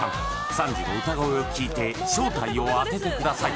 サンジの歌声を聴いて正体を当ててください